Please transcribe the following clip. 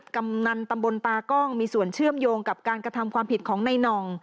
กำนันตำบลตากล้องมีส่วนเชื่อมโยงกับการกระทำความผิดของในน่อง